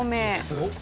すごっ！